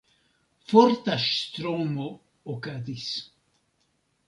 Forta ŝtormo okazis.